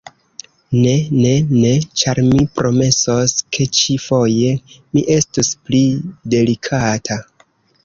Ne, ne, ne, ĉar mi promesos, ke ĉi-foje mi estus pli delikata